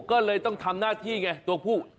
ก็เลยต้องทำหน้าที่ไงตัวผู้